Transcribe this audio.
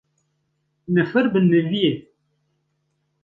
Nifir bi nivî ye